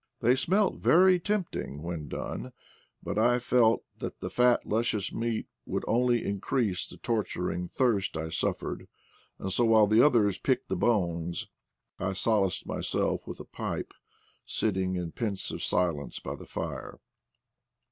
They smelt very tempting when done ; but I feared that the fat luscious meat would only increase the torturing thirst I suffered, and so while the others picked the bones I solaced my self with a pipe, sitting in pensive silence by the fire.